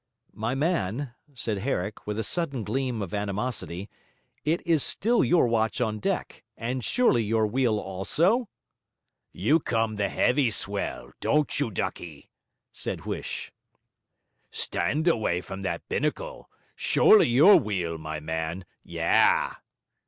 'My man,' said Herrick, with a sudden gleam of animosity, 'it is still your watch on deck, and surely your wheel also?' 'You come the 'eavy swell, don't you, ducky?' said Huish. 'Stand away from that binnacle. Surely your w'eel, my man. Yah.'